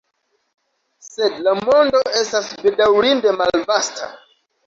Sed la mondo estas, bedaŭrinde, malvasta.